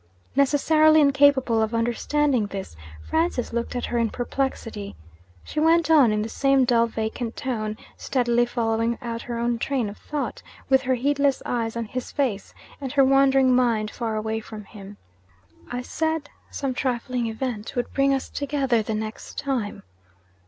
Necessarily incapable of understanding this, Francis looked at her in perplexity. She went on in the same dull vacant tone, steadily following out her own train of thought, with her heedless eyes on his face, and her wandering mind far away from him. 'I said some trifling event would bring us together the next time.